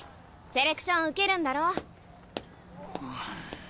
セレクション受けるんだろ？